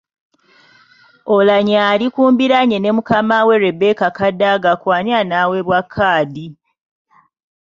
Oulanyah ali ku mbiranye ne mukama we Rebecca Kadaga ku ani anaaweebwa kkaadi.